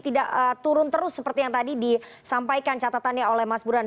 tidak turun terus seperti yang tadi disampaikan catatannya oleh mas burhan